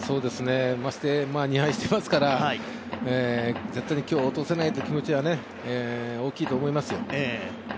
まして、２敗していますから、絶対に今日落とせないという気持ちは大きいと思いますよ。